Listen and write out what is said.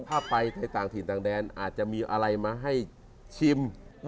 พะไปต่างขึ้นต่างแดนอาจจะมีอะไรมาให้ชิม